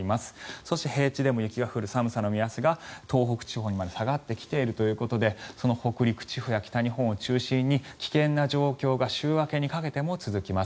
そして平地でも雪が降る寒さの目安が東北地方にまで下がってきているということで北陸地方や北日本を中心に危険な状況が週明けにかけても続きます。